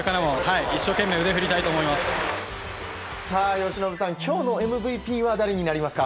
由伸さん、今日のＭＶＰは誰になりますか？